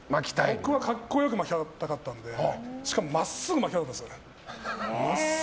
僕は格好よくまきたかったのでしかもまっすぐまきたかったんです。